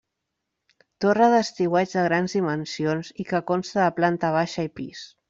Torre d'estiueig de grans dimensions i que consta de planta baixa i pis.